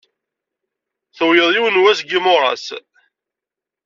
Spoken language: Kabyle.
Tuwyed yiwen wass n yimuras.